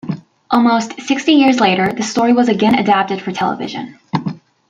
Almost sixty years later, the story was again adapted for television.